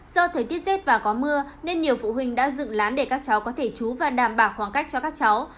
do thời tiết rét và có mưa nên nhiều phụ huynh đã dựng lán để các cháu có thể chú và đảm bảo khoảng cách cho các cháu